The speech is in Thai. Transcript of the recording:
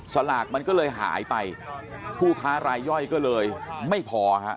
สลากมันก็เลยหายไปผู้ค้ารายย่อยก็เลยไม่พอฮะ